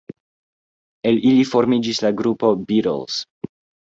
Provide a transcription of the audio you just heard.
El ili formiĝis la grupo Beatles.